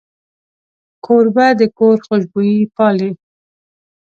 کوربه د کور خوشبويي پالي.